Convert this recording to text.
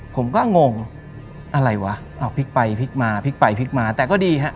ผมก็งงอะไรวะเอาพลิกไปพลิกมาพลิกไปพลิกมาแต่ก็ดีฮะ